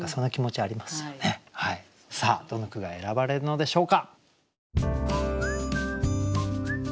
さあどの句が選ばれるのでしょうか。